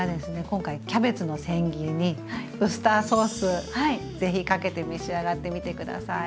今回キャベツの千切りにウスターソースぜひかけて召し上がってみて下さい。